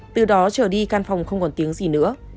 từ đó trở đi căn phòng không còn tiếng gì nữa